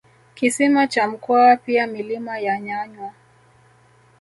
Kisima cha Mkwawa pia milima ya Nyanywa